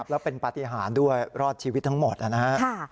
แล้วเป็นปฏิหารด้วยรอดชีวิตทั้งหมดนะครับ